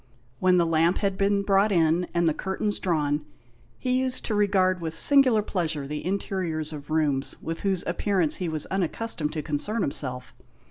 When the lamp had been brought in, and the curtains drawn, he used to regard with singular pleasure the interiors of rooms with whose appearance he was unaccustomed to concern himself.